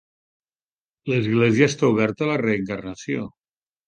L'església està oberta a la reencarnació.